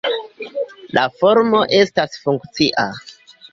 La formo estas funkcia.